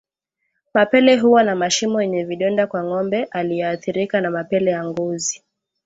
Mapele huwa na mashimo yenye vidonda kwa ngombe aliyeathirika na mapele ya ngozi